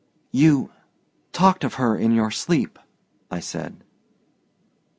"You talked of her in your sleep," I said.